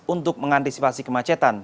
untuk mengantisipasi kemacetan